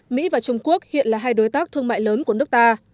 mỹ và trung quốc hiện là hai đối tác thương mại lớn của nước ta